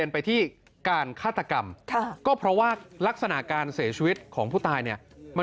นี่แหละครับ